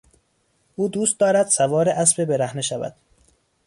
او دوست دارد سوار اسب برهنه شود.